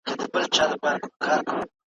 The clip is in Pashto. ځینې ویډیوګانې لیدونکي مغشوشوي.